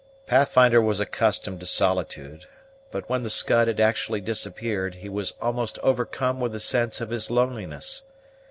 Pathfinder was accustomed to solitude; but, when the Scud had actually disappeared, he was almost overcome with a sense of his loneliness.